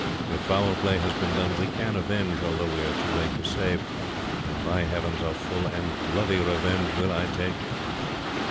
If foul play has been done we can avenge, although we are too late to save, and, by Heavens, a full and bloody revenge will I take."